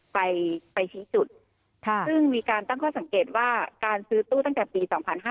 ไปไปชี้จุดซึ่งมีการตั้งข้อสังเกตว่าการซื้อตู้ตั้งแต่ปี๒๕๕๙